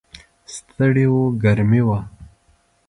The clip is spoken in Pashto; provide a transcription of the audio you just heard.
ستړي و، ګرمي وه.